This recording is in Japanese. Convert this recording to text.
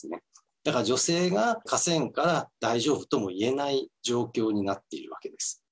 だから女性が稼ぐから大丈夫ともいえない状況になっているわけです。